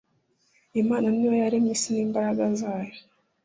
Imana ni yo yaremye isi nimbaraga zayo